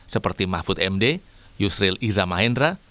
seperti mahfud md yusril iza mahendra